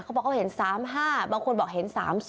เขาบอกเขาเห็น๓๕บางคนบอกเห็น๓๐